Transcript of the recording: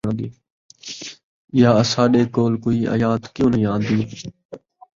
یا اَساݙے کولھ کوئی آیت کیوں نہیں آندی،